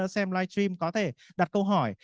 xem live stream có thể đặt câu hỏi